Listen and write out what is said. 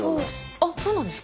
あっそうなんですか？